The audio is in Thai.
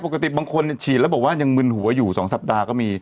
ปกติบางคนฉีดแล้วบอกว่ายังมึนหัวอยู่๒สัปดาห์ก็มี